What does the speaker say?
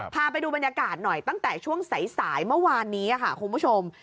พาไปดูบรรยากาศหน่อยตั้งแต่ช่วงสายเมื่อวานนี้ค่ะคุณผู้ชม